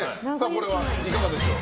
これはいかがでしょう。